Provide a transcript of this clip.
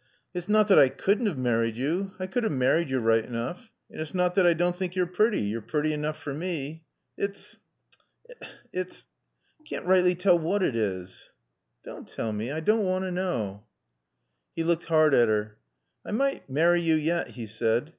Look yo' it's nat that I couldn' 'ave married yo'. I could 'ave married yo' right enoof. An' it's nat thot I dawn' think yo' pretty. Yo're pretty enoof fer me. It's it's I caan't rightly tall whot it is." "Dawn' tall mae. I dawn' want t' knaw." He looked hard at her. "I might marry yo' yat," he said.